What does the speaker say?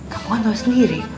kamu kan tau sendiri